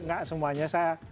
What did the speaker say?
tapi gak semuanya